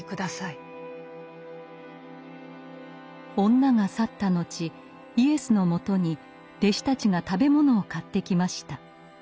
女が去った後イエスのもとに弟子たちが食べ物を買ってきました。